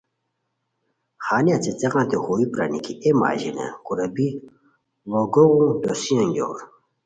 ہانیہ څیڅیقانتے ہوئی پرانی کی اے مہ اژیلیان کورا بی ڑو گوغو دوسی انگیور